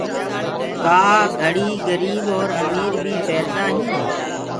ڪآ گھڙي گريب اور امير بي پيردآئين